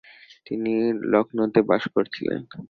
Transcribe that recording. তিনি লখনউতে বাস করছিলেন।